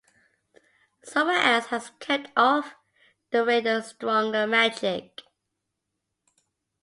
Someone else has kept off the rain by stronger magic.